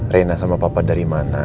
rena sama papa dari mana